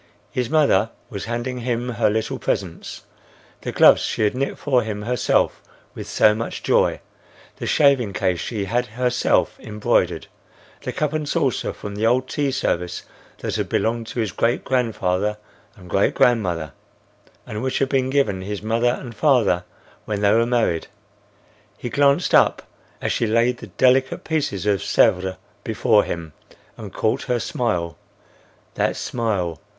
His mother was handing him her little presents,—the gloves she had knit for him herself with so much joy; the shaving case she had herself embroidered; the cup and saucer from the old tea service that had belonged to his great grandfather and great grandmother and which had been given his mother and father when they were married. He glanced up as she laid the delicate piece of Sèvres before him, and caught her smile—That smile!